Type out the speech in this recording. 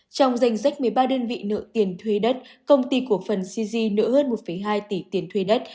trong danh sách một mươi ba đơn vị nợ tiền thuê đất công ty cổ phần cg nợ hơn một hai tỷ tiền thuê đất